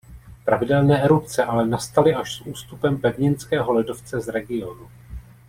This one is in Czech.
Pravidelné erupce ale nastaly až s ústupem pevninského ledovce z regionu.